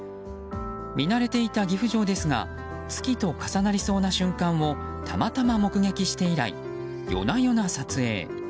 見慣れていた岐阜城ですが月と重なりそうな瞬間をたまたま目撃して以来夜な夜な撮影。